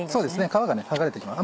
皮が剥がれてきます。